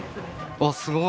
あっすごい。